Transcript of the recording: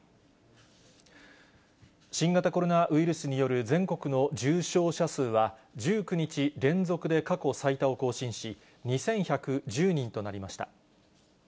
新型コロナウイルスによる全国の重症者数は、１９日連続で過去最多を更新し、２１１０人となりました。